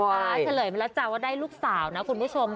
ก็ได้เฉลยมาแล้วว่าได้ลูกสาวนะคุณผู้ชมค่ะ